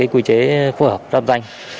quy chế phối hợp đam danh